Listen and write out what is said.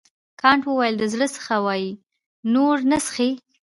کانت وپوښتل د زړه څخه وایې نور نه څښې.